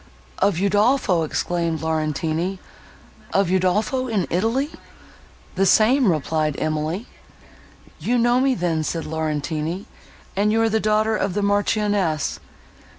"Of Udolpho!" exclaimed Laurentini, "of Udolpho in Italy!" "The same," replied Emily. "You know me then," said Laurentini, "and you are the daughter of the Marchioness."